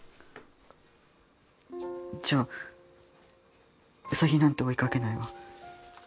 じゃあ『ウサギなんて追いかけない』は。